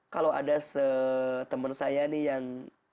kalau ada teman saya nih yang